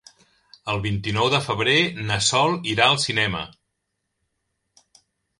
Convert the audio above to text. El vint-i-nou de febrer na Sol irà al cinema.